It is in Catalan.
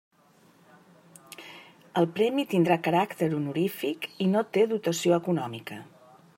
El premi tindrà caràcter honorífic i no té dotació econòmica.